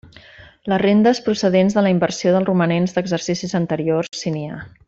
Les rendes procedents de la inversió dels romanents d'exercicis anteriors, si n'hi ha.